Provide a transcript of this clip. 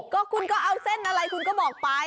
ก็คุณก็เอาเส้นอะไรคุณก็บอกไป